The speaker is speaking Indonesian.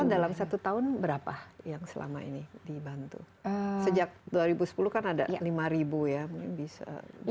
tapi dalam satu tahun berapa yang selama ini dibantu sejak dua ribu sepuluh kan ada lima ribu ya mungkin bisa